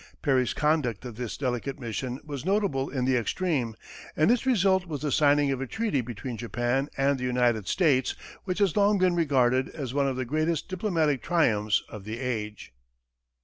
Perry's conduct of this delicate mission was notable in the extreme, and its result was the signing of a treaty between Japan and the United States which has long been regarded as one of the greatest diplomatic triumphs of the age.